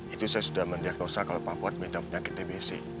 itu saya sudah mendiagnosa kalau papua minta penyakit tbc